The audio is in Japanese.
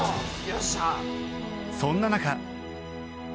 そんな中